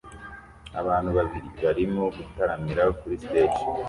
Abantu babiri barimo gutaramira kuri stage